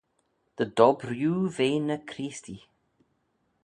Dy dob rieau dy ve ny Chreestee.